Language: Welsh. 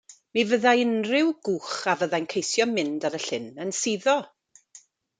Mi fyddai unrhyw gwch a fyddai'n ceisio mynd ar y llyn yn suddo.